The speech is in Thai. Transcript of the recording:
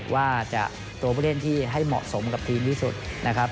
ว่าจะตัวผู้เล่นที่ให้เหมาะสมกับทีมที่สุดนะครับ